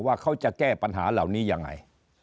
ว่าเขาจะแก้ปัญหาเหล่านี้ยังไง